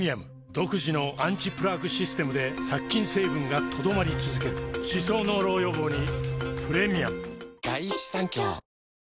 独自のアンチプラークシステムで殺菌成分が留まり続ける歯槽膿漏予防にプレミアム